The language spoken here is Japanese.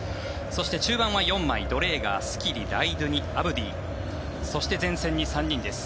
そして中盤は４枚ドレーガー、スキリライドゥニ、アブディそして前線に３人です。